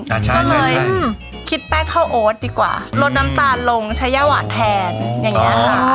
ก็เลยคิดแป้งข้าวโอ๊ตดีกว่าลดน้ำตาลลงใช้ย่าหวานแทนอย่างเงี้ยค่ะ